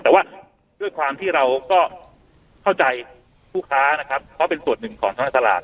แต่ว่าด้วยความที่เราก็เข้าใจผู้ค้านะครับเพราะเป็นส่วนหนึ่งของทางตลาด